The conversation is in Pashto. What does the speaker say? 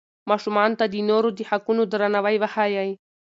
ماشومانو ته د نورو د حقونو درناوی وښایئ.